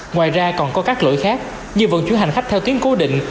ngoài ra còn có các lỗi khác như vận chuyển hành khách theo tuyến cố định